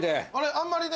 あんまりね。